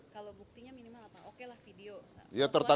kalau buktinya minimal apa pak